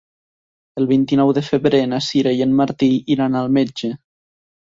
El vint-i-nou de febrer na Sira i en Martí iran al metge.